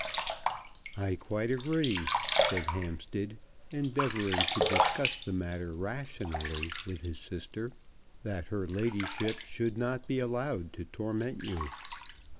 "I quite agree," said Hampstead, endeavouring to discuss the matter rationally with his sister, "that her ladyship should not be allowed to torment you."